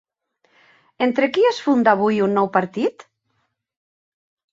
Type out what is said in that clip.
Entre qui es funda avui un nou partit?